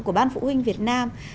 của ban phụ huynh việt nam